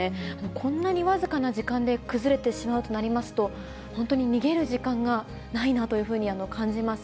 こんなに僅かな時間で崩れてしまうとなりますと、本当に逃げる時間がないなというふうに感じます。